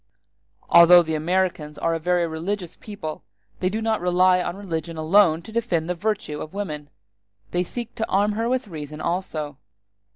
Although the Americans are a very religious people, they do not rely on religion alone to defend the virtue of woman; they seek to arm her reason also.